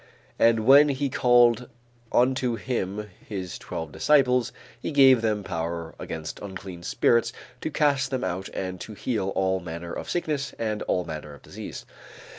"And when he had called unto him his twelve disciples, he gave them power against unclean spirits to cast them out and to heal all manner of sickness and all manner of disease."